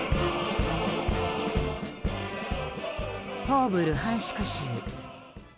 東部ルハンシク州。